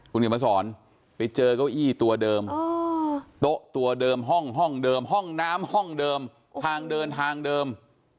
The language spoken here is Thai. คุณเขียนมาสอนไปเจอเก้าอี้ตัวเดิมโต๊ะตัวเดิมห้องเดิมห้องน้ำห้องเดิมทางเดินทางเดิม